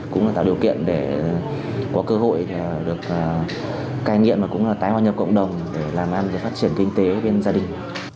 cũng là tạo điều kiện để có cơ hội được cai nghiện và cũng là tái hoa nhập cộng đồng để làm ăn để phát triển kinh tế bên gia đình